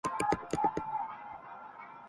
ایسا بھی کوئی ھے کہ سب اچھا کہیں جسے